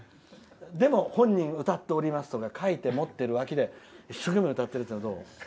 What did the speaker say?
でも、本人は歌っておりますと書いて持っていて一生懸命歌ってるのはどう？